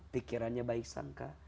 pikirannya baik sangka